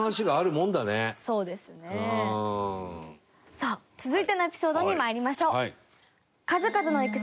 さあ続いてのエピソードにまいりましょう。